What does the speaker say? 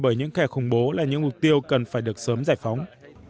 bởi những kẻ khủng bố là những mục tiêu cần phải được sớm giải phóng